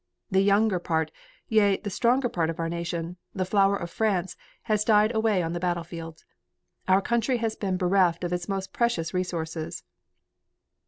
The younger part, yea, the stronger part of our nation, the flower of France, has died away on the battle fields. Our country has been bereft of its most precious resources.